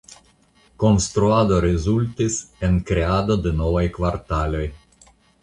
Konstruado rezultis en la kreado de novaj kvartaloj.